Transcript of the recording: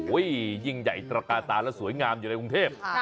ยิ่งใหญ่ตระกาตาและสวยงามอยู่ในกรุงเทพ